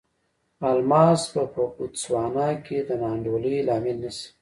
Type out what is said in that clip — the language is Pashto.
الماس به په بوتسوانا کې د نا انډولۍ لامل نه شي.